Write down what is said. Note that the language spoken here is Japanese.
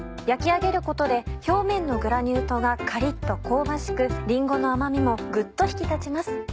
焼き上げることで表面のグラニュー糖がカリっと香ばしくりんごの甘みもグッと引き立ちます。